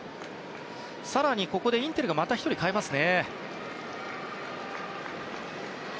更にインテルがまたここで１人、代えますね。